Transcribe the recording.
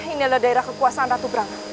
inilah daerah kekuasaan ratu brahma